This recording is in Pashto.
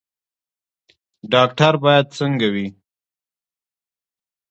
ډاکټر باید څنګه وي؟